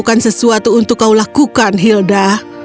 kami akan melakukan sesuatu untuk kau lakukan hilda